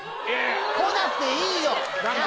来なくていいよなぁ